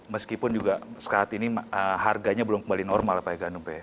meskipun juga sekaat ini harganya belum kembali normal pak eganumpe